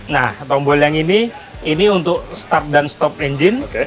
nah tombol yang ini ini untuk start dan stop engine